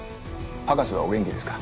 博士はお元気ですか？